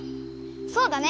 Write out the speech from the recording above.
そうだね！